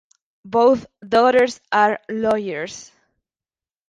Both daughters are lawyers.